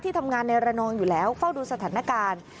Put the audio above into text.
ทำงานในระนองอยู่แล้วเฝ้าดูสถานการณ์